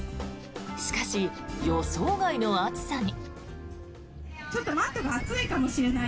しかし、予想外の暑さに。